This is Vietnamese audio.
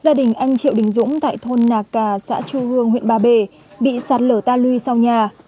gia đình anh triệu đình dũng tại thôn nà cà xã chu hương huyện ba bể bị sạt lở ta lui sau nhà